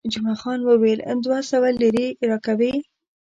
جمعه خان وویل، دوه سوه لیرې راکوي.